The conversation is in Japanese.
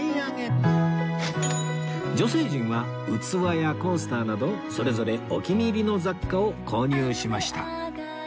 女性陣は器やコースターなどそれぞれお気に入りの雑貨を購入しました